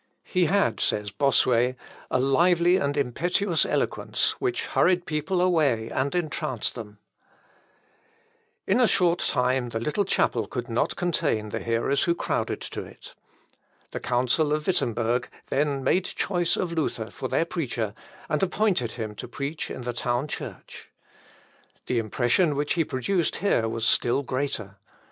"He had," says Bossuet, "a lively and impetuous eloquence, which hurried people away and entranced them." Florimond Raymond, Hist. Hæres. cap. v. Hist. des Variat. l. 1. In a short time the little chapel could not contain the hearers who crowded to it. The council of Wittemberg then made choice of Luther for their preacher, and appointed him to preach in the town church. The impression which he produced here was still greater.